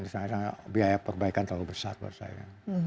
misalnya biaya perbaikan terlalu besar buat saya